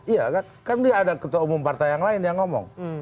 iya kan kan dia ada ketua umum partai yang lain yang ngomong